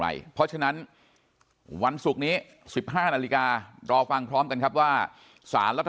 เพราะฉะนั้นวันศุกร์นี้๑๕นาฬิการอฟังพร้อมกันครับว่าสารรัฐ